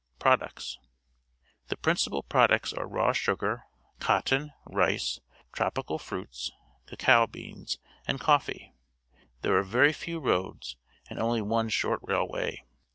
Products. — The principal products are raw sugar, cotton, rice, tropical fruits, cacao beans, and coffee. There are xevy few roads and only one short railway.